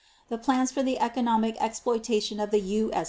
The plans for the economic exploitation of the U.